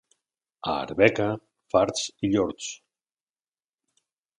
A Arbeca, farts i llords.